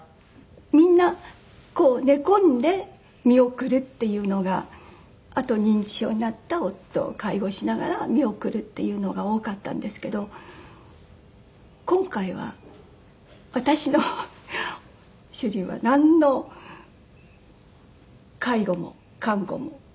みんなこう寝込んで見送るっていうのがあと認知症になった夫を介護しながら見送るっていうのが多かったんですけど今回は私の主人はなんの介護も看護もしなくて。